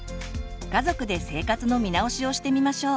家族で生活の見直しをしてみましょう。